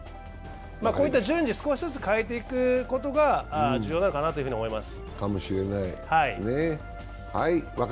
こういった順次、少しずつ変えていくことが重要なのかなと思います。